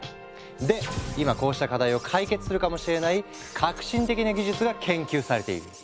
で今こうした課題を解決するかもしれない革新的な技術が研究されている。